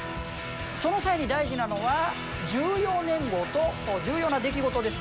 その際に大事なのは重要年号と重要な出来事です。